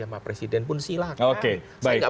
sama presiden pun silahkan saya nggak